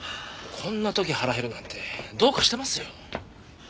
こんな時腹減るなんてどうかしてますよ。